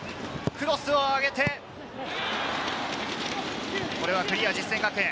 クロスを上げて、これはクリア、実践学園。